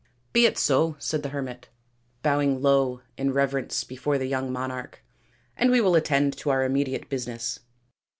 " Be it so," said the hermit, bowing low in reverence before the young monarch, " and we will attend to our immediate business."